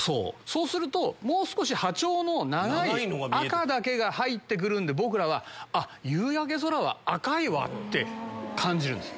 そうするともう少し波長の長い赤だけが入って来るんで僕らは夕焼け空は赤いわ！って感じるんです。